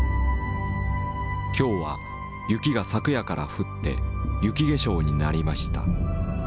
「今日は雪が昨夜から降って雪化粧になりました。